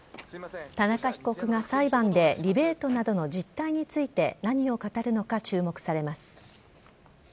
田中被告が裁判で、リベートなどの実態について何を語るのか注目されます。